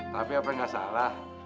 tapi apa yang gak salah